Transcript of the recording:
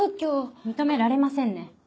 認められませんね。